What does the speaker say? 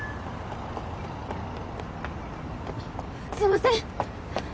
すいません